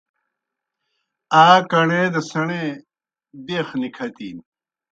آ کݨے دہ سیْݨے بَیخ نِکَھتِن۔